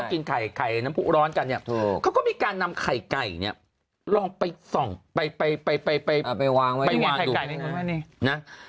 กินไข่น้ำผู้ร้อนกันเนี่ยเขาก็มีการนำไข่ไก่เนี่ยลองไปส่องไปไปวางไข่นะ